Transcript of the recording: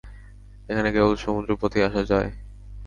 এখানে কেবল সমুদ্র পথেই আসা যায়।